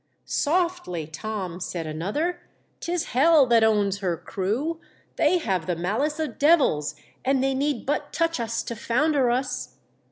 "Softly, Tom!" said another; "'tis Hell that owns her crew ; they have the malice of devils, and they need but touch us to founder us."